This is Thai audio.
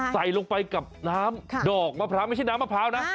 ใส่ลงไปกับน้ำดอกมะพร้าวไม่ใช่น้ำมะพร้าวนะ